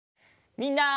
みんな！